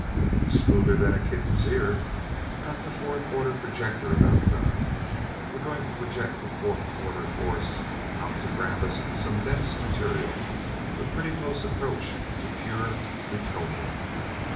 "Smoother than a kitten's ear. Got the fourth order projector about done. We're going to project a fourth order force out to grab us some dense material, a pretty close approach to pure neutronium.